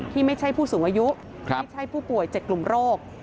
ที่ไม่ใช่ผู้สูงอายุไม่ใช่ผู้ป่วย๗กลุ่มโรค